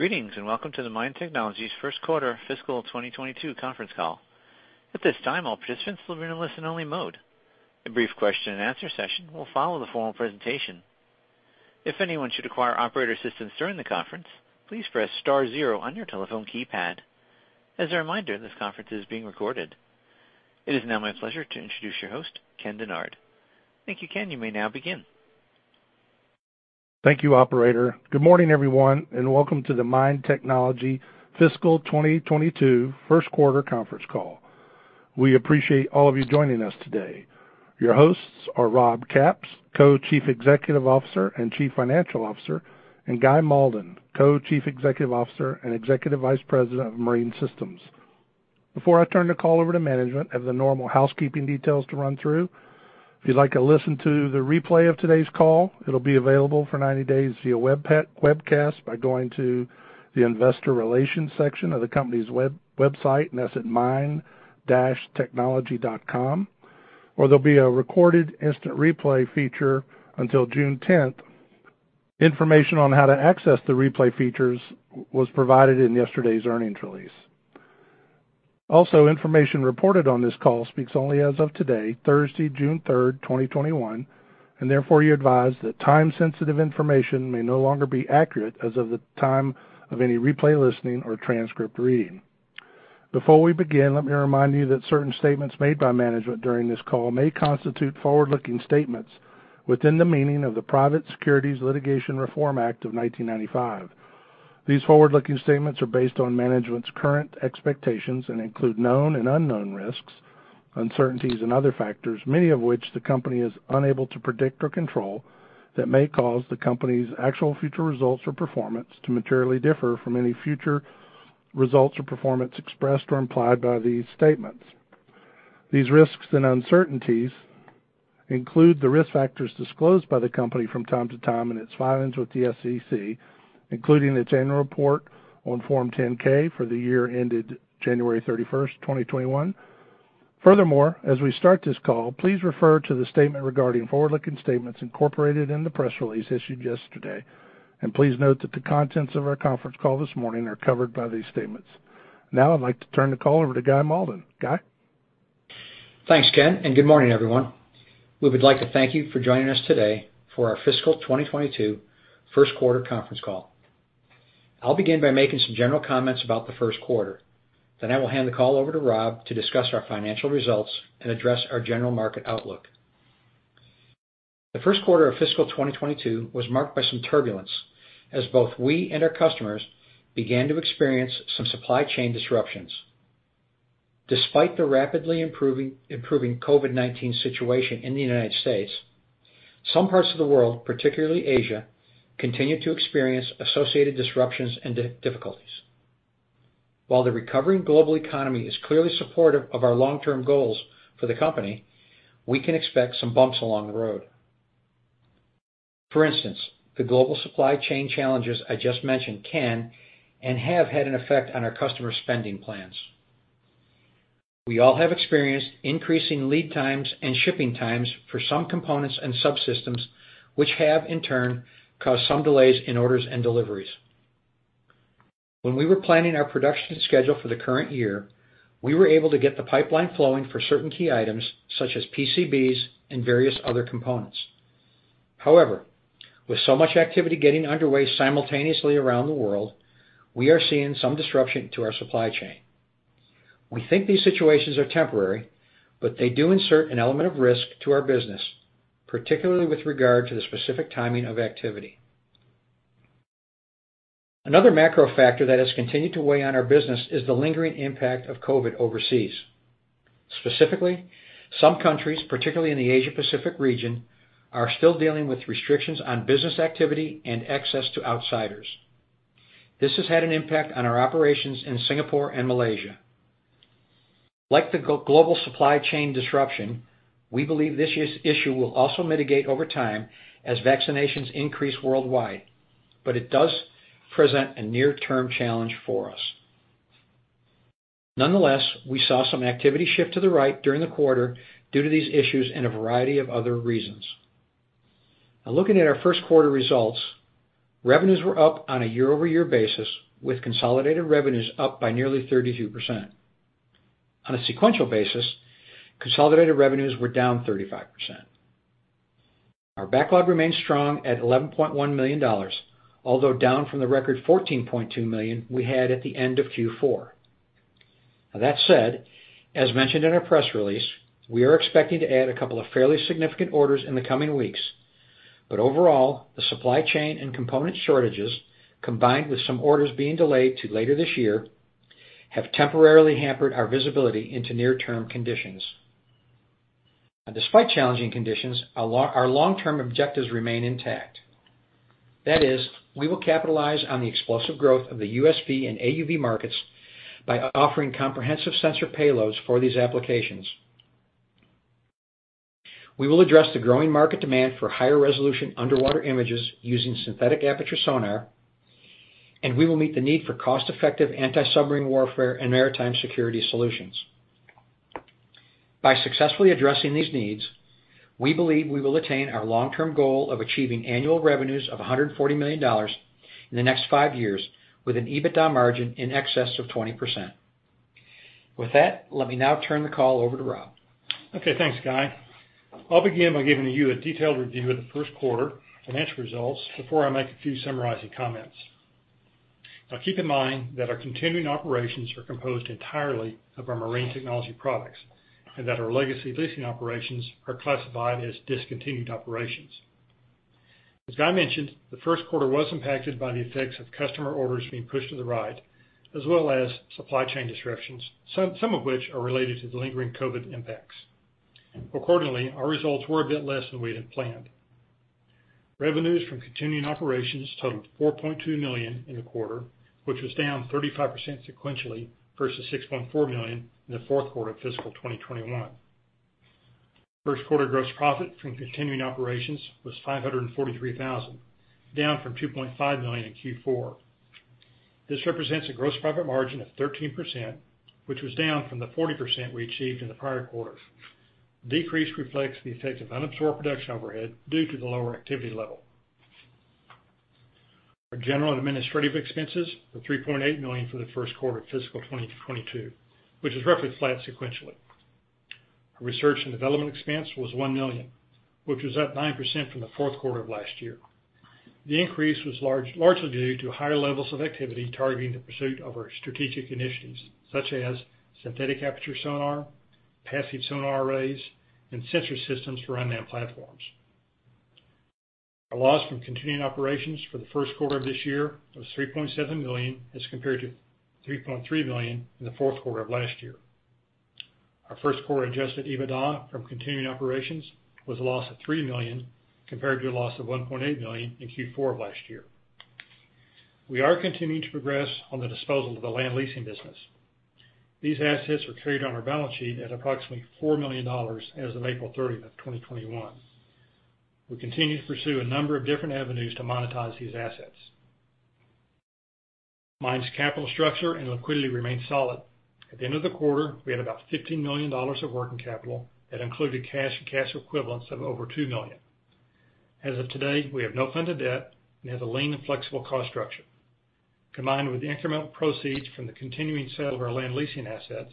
Greetings, and welcome to the MIND Technology's first quarter fiscal 2022 conference call. At this time, all participants will be in listen-only mode. A brief question-and-answer session will follow the formal presentation. If anyone should require operator assistance during the conference, please press star zero on your telephone keypad. As a reminder, this conference is being recorded. It is now my pleasure to introduce your host, Ken Dennard. Thank you, Ken. You may now begin. Thank you, operator. Good morning, everyone, and welcome to the MIND Technology fiscal 2022 first quarter conference call. We appreciate all of you joining us today. Your hosts are Rob Capps, Co-Chief Executive Officer and Chief Financial Officer, and Guy Malden, Co-Chief Executive Officer and Executive Vice President of Marine Systems. Before I turn the call over to management, I have the normal housekeeping details to run through. If you'd like to listen to the replay of today's call, it'll be available for 90 days via webcast by going to the investor relations section of the company's website, and that's at mind-technology.com, or there'll be a recorded instant replay feature until June 10th. Information on how to access the replay features was provided in yesterday's earnings release. Also, information reported on this call speaks only as of today, Thursday, June 3rd, 2021, and therefore you're advised that time-sensitive information may no longer be accurate as of the time of any replay listening or transcript reading. Before we begin, let me remind you that certain statements made by management during this call may constitute forward-looking statements within the meaning of the Private Securities Litigation Reform Act of 1995. These forward-looking statements are based on management's current expectations and include known and unknown risks, uncertainties and other factors, many of which the company is unable to predict or control, that may cause the company's actual future results or performance to materially differ from any future results or performance expressed or implied by these statements. These risks and uncertainties include the risk factors disclosed by the company from time to time in its filings with the SEC, including its annual report on Form 10-K for the year ended January 31st, 2021. Furthermore, as we start this call, please refer to the statement regarding forward-looking statements incorporated in the press release issued yesterday, and please note that the contents of our conference call this morning are covered by these statements. Now I'd like to turn the call over to Guy Malden. Guy? Thanks, Ken, and good morning, everyone. We would like to thank you for joining us today for our fiscal 2022 first quarter conference call. I'll begin by making some general comments about the first quarter. I will hand the call over to Rob to discuss our financial results and address our general market outlook. The first quarter of fiscal 2022 was marked by some turbulence as both we and our customers began to experience some supply chain disruptions. Despite the rapidly improving COVID-19 situation in the U.S., some parts of the world, particularly Asia, continue to experience associated disruptions and difficulties. While the recovering global economy is clearly supportive of our long-term goals for the company, we can expect some bumps along the road. For instance, the global supply chain challenges I just mentioned can, and have had an effect on our customer spending plans. We all have experienced increasing lead times and shipping times for some components and subsystems, which have in turn caused some delays in orders and deliveries. When we were planning our production schedule for the current year, we were able to get the pipeline flowing for certain key items such as PCBs and various other components. With so much activity getting underway simultaneously around the world, we are seeing some disruption to our supply chain. We think these situations are temporary, but they do insert an element of risk to our business, particularly with regard to the specific timing of activity. Another macro factor that has continued to weigh on our business is the lingering impact of COVID-19 overseas. Specifically, some countries, particularly in the Asia-Pacific region, are still dealing with restrictions on business activity and access to outsiders. This has had an impact on our operations in Singapore and Malaysia. Like the global supply chain disruption, we believe this issue will also mitigate over time as vaccinations increase worldwide, but it does present a near-term challenge for us. Nonetheless, we saw some activity shift to the right during the quarter due to these issues and a variety of other reasons. Now looking at our first quarter results, revenues were up on a year-over-year basis, with consolidated revenues up by nearly 32%. On a sequential basis, consolidated revenues were down 35%. Our backlog remains strong at $11.1 million, although down from the record $14.2 million we had at the end of Q4. Now, that said, as mentioned in our press release, we are expecting to add a couple of fairly significant orders in the coming weeks. Overall, the supply chain and component shortages, combined with some orders being delayed to later this year, have temporarily hampered our visibility into near-term conditions. Now, despite challenging conditions, our long-term objectives remain intact. That is, we will capitalize on the explosive growth of the USV and AUV markets by offering comprehensive sensor payloads for these applications. We will address the growing market demand for higher resolution underwater images using synthetic aperture sonar, and we will meet the need for cost-effective anti-submarine warfare and maritime security solutions. By successfully addressing these needs, we believe we will attain our long-term goal of achieving annual revenues of $140 million in the next five years, with an EBITDA margin in excess of 20%. With that, let me now turn the call over to Rob. Okay, thanks, Guy. I'll begin by giving you a detailed review of the first quarter financial results before I make a few summarizing comments. Now, keep in mind that our continuing operations are composed entirely of our marine technology products, and that our legacy leasing operations are classified as discontinued operations. As Guy mentioned, the first quarter was impacted by the effects of customer orders being pushed to the right, as well as supply chain disruptions, some of which are related to the lingering COVID-19 impacts. Accordingly, our results were a bit less than we had planned. Revenues from continuing operations totaled $4.2 million in the quarter, which was down 35% sequentially versus $6.4 million in the fourth quarter of fiscal 2021. First quarter gross profit from continuing operations was $543,000, down from $2.5 million in Q4. This represents a gross profit margin of 13%, which was down from the 40% we achieved in the prior quarter. The decrease reflects the effect of unabsorbed production overhead due to the lower activity level. Our general and administrative expenses were $3.8 million for the first quarter of fiscal 2022, which is roughly flat sequentially. Our research and development expense was $1 million, which was up 9% from the fourth quarter of last year. The increase was largely due to higher levels of activity targeting the pursuit of our strategic initiatives, such as synthetic aperture sonar, passive sonar arrays, and sensor systems for unmanned platforms. Our loss from continuing operations for the first quarter of this year was $3.7 million as compared to $3.3 million in the fourth quarter of last year. Our first quarter adjusted EBITDA from continuing operations was a loss of $3 million, compared to a loss of $1.8 million in Q4 of last year. We are continuing to progress on the disposal of the land leasing business. These assets are carried on our balance sheet at approximately $4 million as of April 30th, 2021. We continue to pursue a number of different avenues to monetize these assets. MIND's capital structure and liquidity remain solid. At the end of the quarter, we had about $15 million of working capital that included cash and cash equivalents of over $2 million. As of today, we have no funded debt, we have a lean and flexible cost structure. Combined with the incremental proceeds from the continuing sale of our land leasing assets,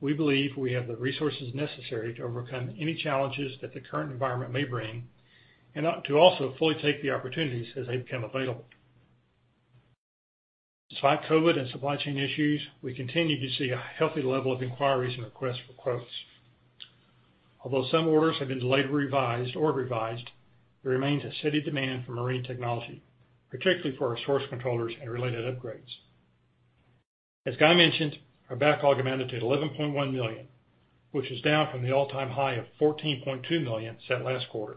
we believe we have the resources necessary to overcome any challenges that the current environment may bring, and to also fully take the opportunities as they become available. Despite COVID and supply chain issues, we continue to see a healthy level of inquiries and requests for quotes. Although some orders have been delayed or revised, there remains a steady demand for marine technology, particularly for our source controllers and related upgrades. As Guy mentioned, our backlog amounted to $11.1 million, which is down from the all-time high of $14.2 million set last quarter.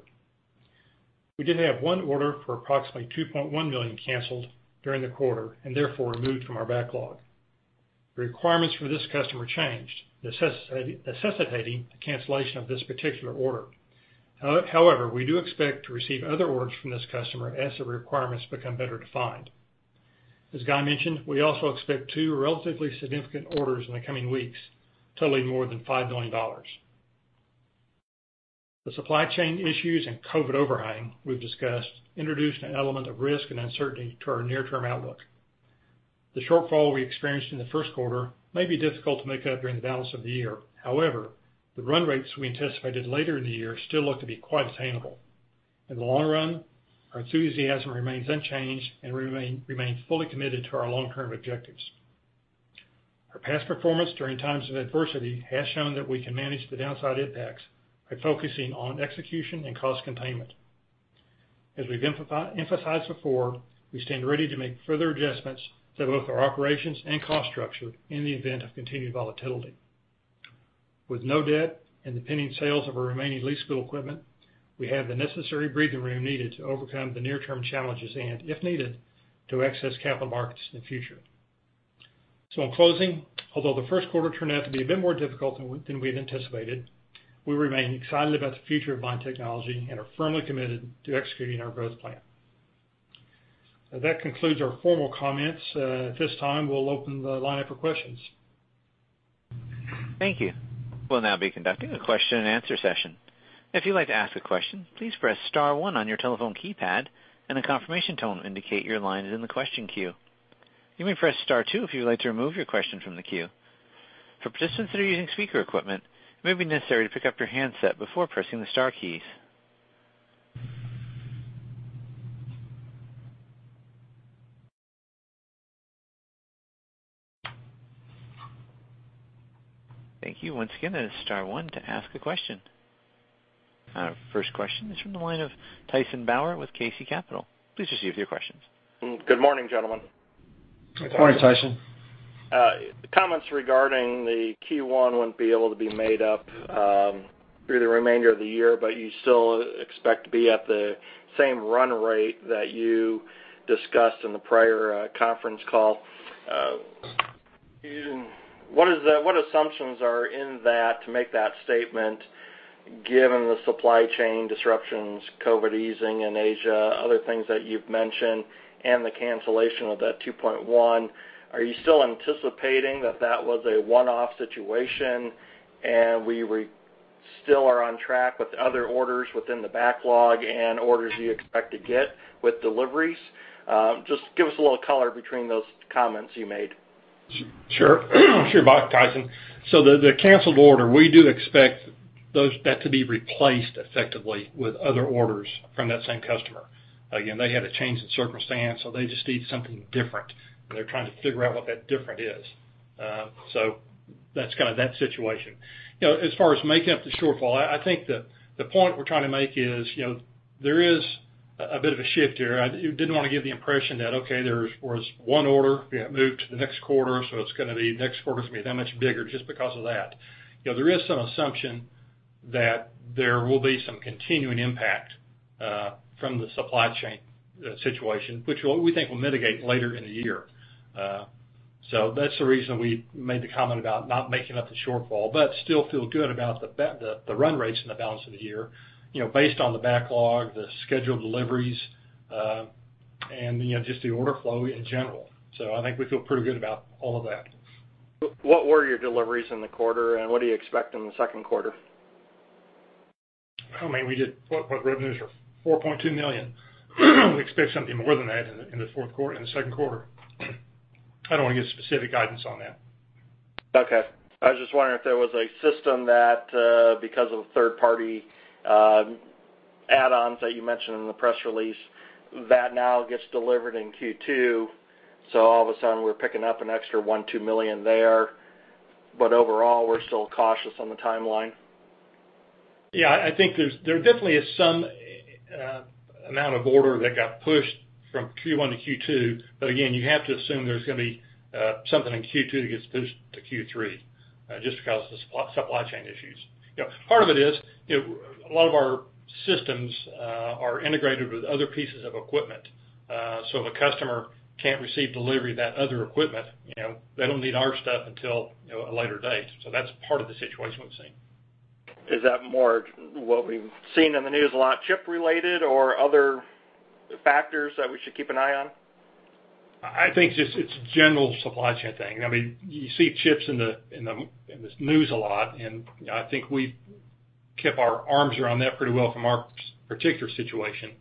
We did have one order for approximately $2.1 million canceled during the quarter, and therefore removed from our backlog. The requirements for this customer changed, necessitating the cancellation of this particular order. However, we do expect to receive other orders from this customer as the requirements become better defined. As Guy mentioned, we also expect two relatively significant orders in the coming weeks totaling more than $5 million. The supply chain issues and COVID overhang we've discussed introduce an element of risk and uncertainty to our near-term outlook. The shortfall we experienced in the first quarter may be difficult to make up during the balance of the year. However, the run rates we anticipated later in the year still look to be quite attainable. In the long run, our enthusiasm remains unchanged, and we remain fully committed to our long-term objectives. Our past performance during times of adversity has shown that we can manage the downside impacts by focusing on execution and cost containment. As we've emphasized before, we stand ready to make further adjustments to both our operations and cost structure in the event of continued volatility. With no debt and the pending sales of our remaining leasehold equipment, we have the necessary breathing room needed to overcome the near-term challenges and, if needed, to access capital markets in the future. In closing, although the first quarter turned out to be a bit more difficult than we'd anticipated, we remain excited about the future of MIND Technology and are firmly committed to executing our growth plan. That concludes our formal comments. At this time, we'll open the line up for questions. Thank you. We'll now be conducting a question and answer session. If you'd like to ask a question, please press star one on your telephone keypad, and a confirmation tone will indicate your line is in the question queue. You may press star two if you'd like to remove your question from the queue. For participants using speaker equipment, it may be necessary to pick up your handset before pressing the star keys. Thank you. Once again, it's star one to ask a question. First question is from the line of Tyson Bauer with KC Capital. Please proceed with your question. Good morning, gentlemen. Good morning, Tyson. Comments regarding the Q1 wouldn't be able to be made up through the remainder of the year, but you still expect to be at the same run rate that you discussed in the prior conference call. What assumptions are in that to make that statement? Given the supply chain disruptions, COVID-19 easing in Asia, other things that you've mentioned, and the cancellation of that $2.1 million, are you still anticipating that that was a one-off situation, and we still are on track with other orders within the backlog and orders you expect to get with deliveries? Just give us a little color between those comments you made. Sure. Sure. Tyson. The canceled order, we do expect that to be replaced effectively with other orders from that same customer. Again, they had a change in circumstance, so they just need something different, and they're trying to figure out what that different is. That's kind of that situation. As far as making up the shortfall, I think the point we're trying to make is, there is a bit of a shift here. I didn't want to give the impression that, okay, there was one order, it moved to the next quarter, so it's going to be next quarter's going to be that much bigger just because of that. There is some assumption that there will be some continuing impact from the supply chain situation, which we think will mitigate later in the year. That's the reason we made the comment about not making up the shortfall, but still feel good about the run rates in the balance of the year, based on the backlog, the scheduled deliveries, and just the order flow in general. I think we feel pretty good about all of that. What were your deliveries in the quarter, and what do you expect in the second quarter? I mean, we did, revenues are $4.2 million. We expect something more than that in the fourth quarter and the second quarter. I don't want give specific guidance on that. Okay. I was just wondering if there was a system that, because of the third-party add-ons that you mentioned in the press release, that now gets delivered in Q2, all of a sudden, we're picking up an extra $1 million-$2 million there. Overall, we're still cautious on the timeline. Yeah, I think there definitely is some amount of order that got pushed from Q1 to Q2. Again, you have to assume there's going to be something in Q2 that gets pushed to Q3, just because of supply chain issues. Part of it is, a lot of our systems are integrated with other pieces of equipment. If a customer can't receive delivery of that other equipment, they don't need our stuff until a later date. That's part of the situation we've seen. Is that more what we've seen in the news a lot, chip related, or other factors that we should keep an eye on? I think it's a general supply chain thing. You see chips in the news a lot, and I think we keep our arms around that pretty well from our particular situation.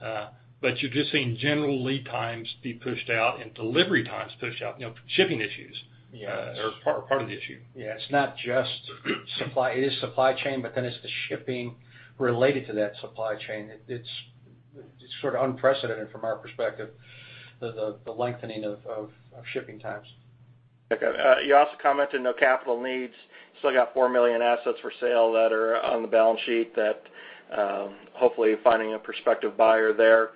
You're just seeing general lead times be pushed out and delivery times pushed out, shipping issues. Yes. Are part of the issue. Yeah, it's not just supply. It is supply chain, but then it's the shipping related to that supply chain. It's sort of unprecedented from our perspective, the lengthening of shipping times. Okay. You also commented no capital needs. Still got $4 million assets for sale that are on the balance sheet that hopefully finding a prospective buyer there.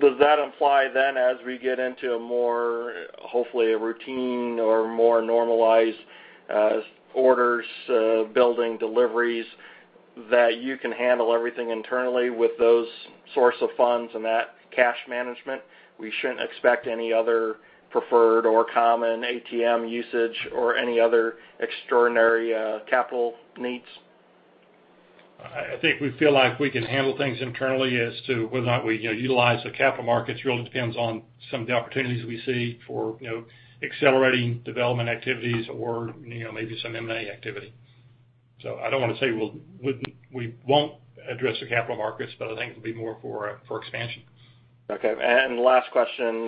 Does that imply as we get into a more, hopefully, a routine or more normalized orders, building deliveries, that you can handle everything internally with those sorts of funds and that cash management? We shouldn't expect any other preferred or common ATM usage or any other extraordinary capital needs? I think we feel like we can handle things internally as to whether or not we utilize the capital markets. Really depends on some of the opportunities we see for accelerating development activities or maybe some M&A activity. I don't want to say we won't address the capital markets, but I think it will be more for expansion. Okay, last question.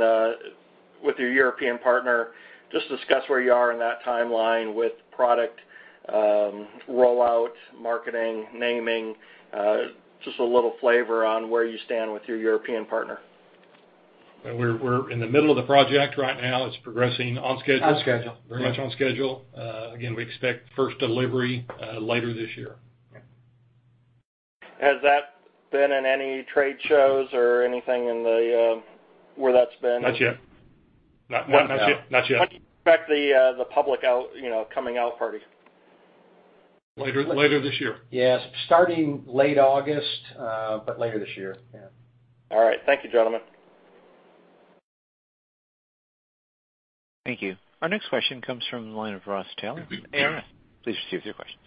With your European partner, just discuss where you are in that timeline with product rollout, marketing, naming, just a little flavor on where you stand with your European partner. We're in the middle of the project right now. It's progressing on schedule. On schedule. Very much on schedule. Again, we expect first delivery later this year. Has that been in any trade shows or anything where that's been? Not yet. Not yet? Not yet. How do you expect the public coming out party? Later this year. Yes, starting late August, but later this year. Yeah. All right. Thank you, gentlemen. Thank you. Our next question comes from the line of Ross Taylor. Taylor. Please proceed with your question..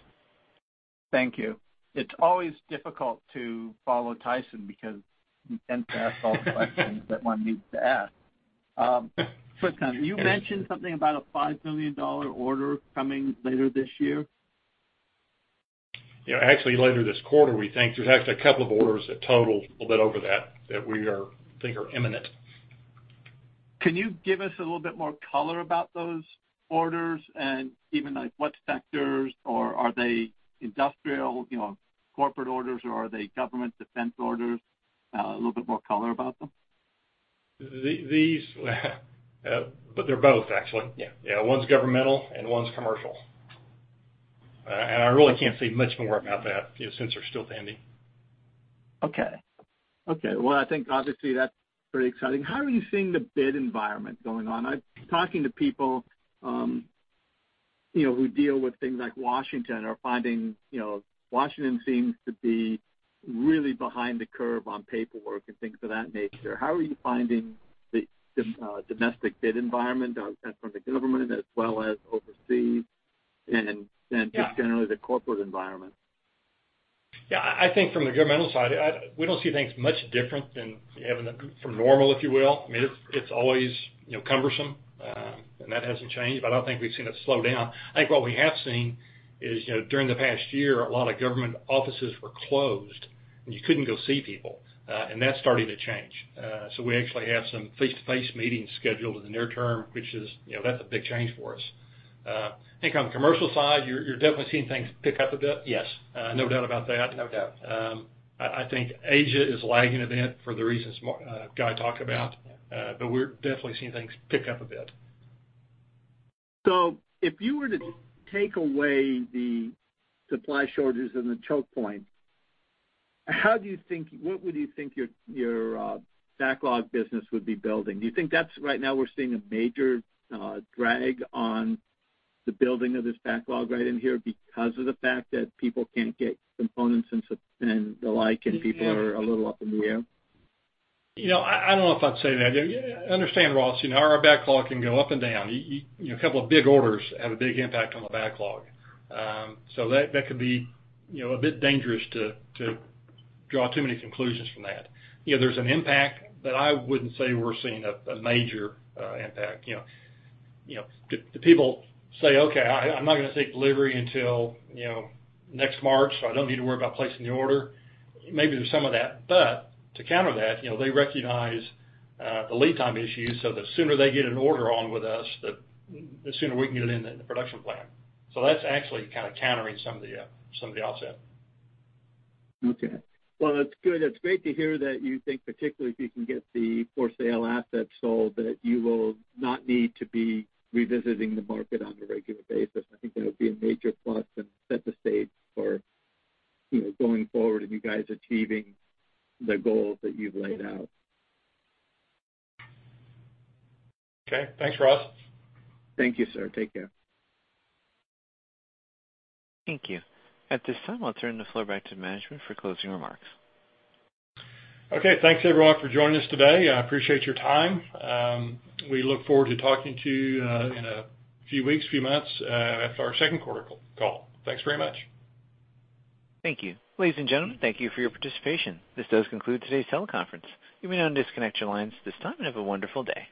Thank you. It's always difficult to follow Tyson because he tends to ask all the questions that one needs to ask. First time, you mentioned something about a $5 million order coming later this year? Yeah, actually later this quarter, we think in fact a couple orders that total a little bit over that we think are imminent. Can you give us a little bit more color about those orders, and even like what sectors, or are they industrial, corporate orders, or are they government defense orders? A little bit more color about them. They're both, actually. Yeah. One's governmental, and one's commercial. I really can't say much more about that since they're still pending. Okay. Well, I think obviously that's pretty exciting. How are you seeing the bid environment going on? I've been talking to people who deal with things like Washington, are finding Washington seems to be really behind the curve on paperwork and things of that nature. How are you finding the domestic bid environment from the government as well as overseas and just generally the corporate environment? Yeah, I think from the governmental side, we don't see things much different than from normal, if you will. It's always cumbersome, and that hasn't changed, but I don't think we've seen it slow down. I think what we have seen is during the past year, a lot of government offices were closed, and you couldn't go see people, and that's starting to change. We actually have some face-to-face meetings scheduled in the near-term, which is a big change for us. I think on the commercial side, you're definitely seeing things pick up a bit. Yes. No doubt about that. No doubt. I think Asia is lagging a bit for the reasons Guy talked about, but we're definitely seeing things pick up a bit. If you were to take away the supply shortages and the choke points, what would you think your backlog business would be building? Do you think that's right now we're seeing a major drag on the building of this backlog right in here because of the fact that people can't get components and the like, and people are a little up in the air? I don't know if I'd say that. Understand, Ross, our backlog can go up and down. A couple of big orders have a big impact on the backlog. That could be a bit dangerous to draw too many conclusions from that. There's an impact, but I wouldn't say we're seeing a major impact. Do people say, "Okay, I'm not going to take delivery until next March, so I don't need to worry about placing the order"? Maybe there's some of that. To counter that, they recognize the lead time issues, so the sooner they get an order on with us, the sooner we can get it in the production plan. That's actually kind of countering some of the offset. Well, that's good. It's great to hear that you think particularly if you can get the for-sale assets sold, that you will not need to be revisiting the market on a regular basis. I think that'll be a major plus and set the stage for going forward and you guys achieving the goals that you've laid out. Okay. Thanks, Ross. Thank you, sir. Take care. Thank you. At this time, I'll turn the floor back to management for closing remarks. Okay, thanks everyone for joining us today. I appreciate your time. We look forward to talking to you in a few weeks, few months, after our second quarter call. Thanks very much. Thank you. Ladies and gentlemen, thank you for your participation. This does conclude today's teleconference. You may now disconnect your lines at this time. Have a wonderful day.